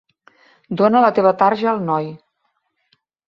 Dóna la teva tarja al noi.